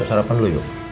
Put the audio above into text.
kayak sarapan lu yuk